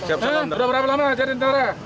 sudah berapa lama jadi tentara